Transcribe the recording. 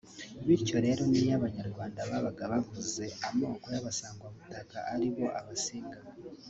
Bityo rero n’iyo Abanyarwanda babaga bavuze “Amoko y’Abasangwa-butaka” aribo Abasinga